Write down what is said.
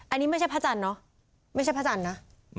อันนี้ไม่ใช่พระจันทร์เนอะไม่ใช่พระจันทร์นะ